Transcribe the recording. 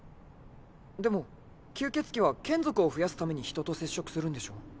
でも吸血鬼は眷属を増やすために人と接触するんでしょ？